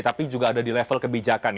tapi juga ada di level kebijakan